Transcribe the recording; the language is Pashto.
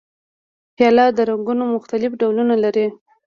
پیاله د رنګونو مختلف ډولونه لري.